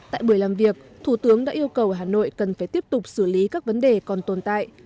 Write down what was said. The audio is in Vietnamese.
tại buổi làm việc thủ tướng đã yêu cầu hà nội cần phải tiếp tục xử lý các vấn đề còn tồn tại